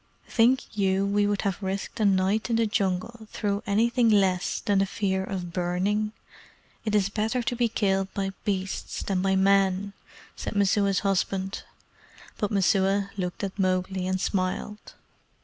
"Think you we would have risked a night in the Jungle through anything less than the fear of burning? It is better to be killed by beasts than by men," said Messua's husband; but Messua looked at Mowgli and smiled.